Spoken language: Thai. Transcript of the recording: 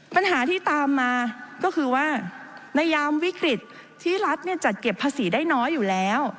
ปัญหาที่ตามมาก็คือว่าในยามวิกฤตที่รัฐจัดเก็บภาษีได้น้อยอยู่แล้ว